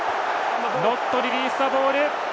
ノットリリースザボール。